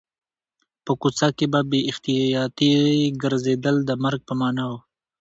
په کوڅه کې په بې احتیاطۍ ګرځېدل د مرګ په معنا و